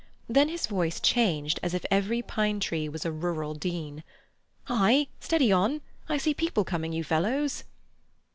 Then his voice changed as if every pine tree was a Rural Dean. "Hi! Steady on! I see people coming you fellows!"